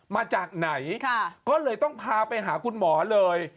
มาจากไหนก็เลยต้องพาไปหาคุณหมอเลย